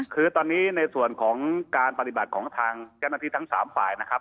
คือตอนนี้ในส่วนของการปฏิบัติของทางเจ้าหน้าที่ทั้ง๓ฝ่ายนะครับ